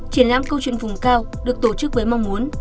triển lãm câu chuyện vùng cao được tổ chức với mong muốn